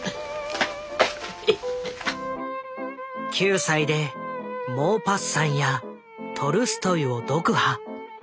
９歳でモーパッサンやトルストイを読破。